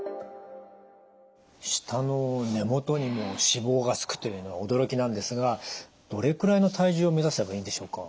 舌の根もとにも脂肪がつくというのは驚きなんですがどれくらいの体重を目指せばいいんでしょうか？